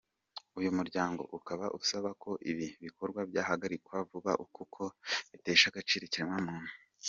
Uyu muryango ukaba usaba ko ibi bikorwa byahagarikwa vuba kuko bitesha agaciro ikiremwa muntu.